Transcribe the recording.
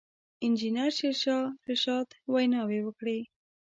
انجنیر شېرشاه رشاد ویناوې وکړې.